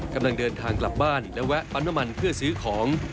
กำลังเดินทางกลับบ้านและแวะปั๊มน้ำมันเพื่อซื้อของ